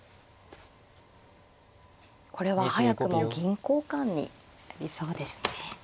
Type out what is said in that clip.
これは早くも銀交換になりそうですね。